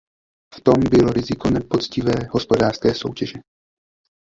V tom by bylo riziko nepoctivé hospodářské soutěže.